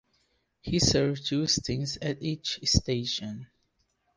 He served two stints at each station.